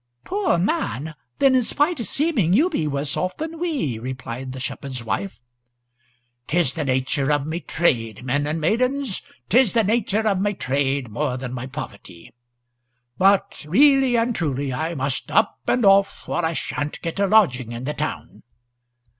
"Poor man! Then, in spite o' seeming, you be worse off than we?" replied the shepherd's wife. "'Tis the nature of my trade, men and maidens. 'Tis the nature of my trade more than my poverty. But really and truly, I must up and off, or I sha'n't get a lodging in the town."